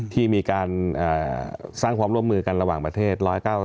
ที่มีการสร้างความร่วมมือกันระหว่างประเทศ๑๙